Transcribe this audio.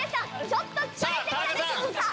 ちょっと疲れて来たでしょうか。